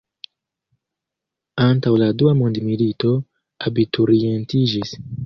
Antaŭ la dua mondmilito abiturientiĝis.